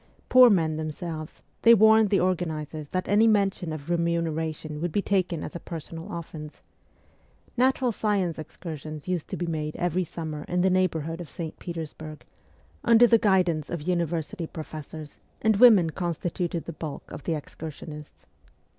Poor men themselves, they warned the organizers that any mention of remuneration would be taken as a personal offence. Natural science excursions used to be made every summer in the neighbourhood of St. Petersburg, under the guidance of university professors, and women constituted the bulk of the excursionists.